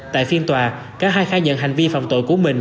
tại phiên tòa cả hai khai nhận hành vi phạm tội của mình